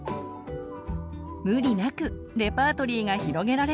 無理なくレパートリーが広げられるといいですね。